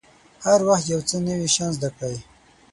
هر وخت یو څه نوي شیان زده کړئ.